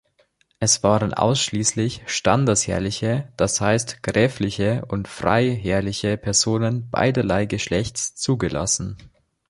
Es waren ausschließlich standesherrliche, das heißt gräfliche und freiherrliche Personen beiderlei Geschlechts zugelassen.